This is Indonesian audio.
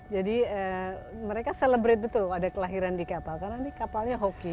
jadi mereka celebrate betul ada kelahiran di kapal karena ini kapalnya hoki